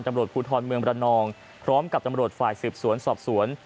ตำรวจภูทรเมืองบรรนองพร้อมกับตำรวจฝ่ายสืบสวนสอบสวน